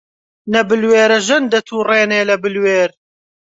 نە بلوێرژەن دەتووڕێنێ لە بلوێر